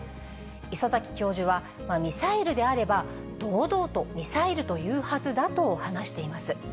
礒崎教授は、ミサイルであれば、堂々とミサイルというはずだと話しています。